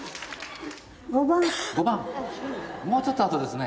五番もうちょっとあとですね